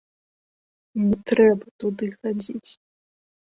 Не трэба туды хадзіць.